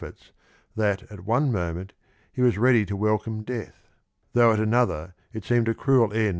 tfort.s thai: at cue moment he was ready to vVi; lco" i".c de^ th, though at CLnolher it seemed a cruel end t.